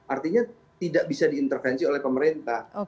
artinya tidak bisa diintervensi oleh pemerintah